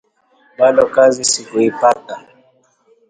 Bado kazi sikuipata